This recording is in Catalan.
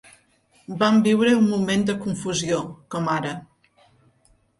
Vam viure un moment de confusió com ara.